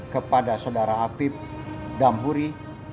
kepada saudara apib damhuri